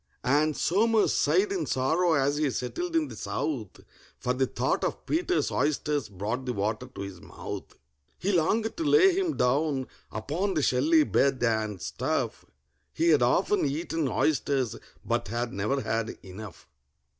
And SOMERS sighed in sorrow as he settled in the south, For the thought of PETER'S oysters brought the water to his mouth. He longed to lay him down upon the shelly bed, and stuff: He had often eaten oysters, but had never had enough.